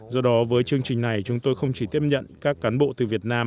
do đó với chương trình này chúng tôi không chỉ tiếp nhận các cán bộ từ việt nam